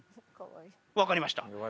分かりました。